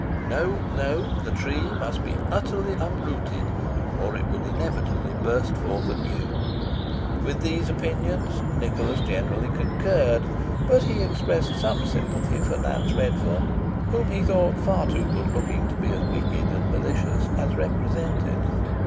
No, no! the tree must be utterly uprooted, or it would inevitably burst forth anew." With these opinions Nicholas generally concurred; but he expressed some sympathy for Nance Redferne, whom he thought far too good looking to be as wicked and malicious as represented.